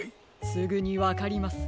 すぐにわかります。